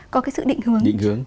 có cái sự định hướng